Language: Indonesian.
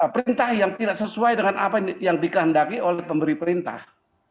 perintah yang tidak sesuai dengan apa yang dikehendaki oleh pemberi perintah